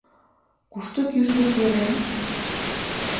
Кушто кӱжгӧ керем?